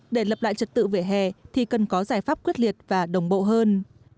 để lập lại trật tự vỉa hè thì cần có giải pháp quyết liệt và đồng bộ hơn